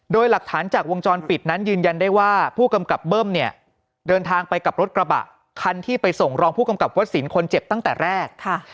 โดยหลักฐานจากวงจรปิดนั้นยืนยันได้ว่าผู้กำกับเบิ้มเนี่ยเดินทางไปกับรถกระบะคันที่ไปส่งรองผู้กำกับวัสสินคนเจ็บตั้งแต่แรก